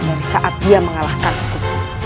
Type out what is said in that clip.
dari saat dia mengalahkanku